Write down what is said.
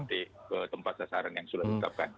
kalau ini perlu bisa hati ke tempat sasaran yang sudah ditetapkan